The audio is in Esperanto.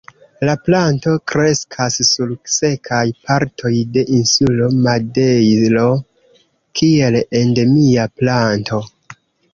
La planto kreskas sur sekaj partoj de insulo Madejro kiel endemia planto.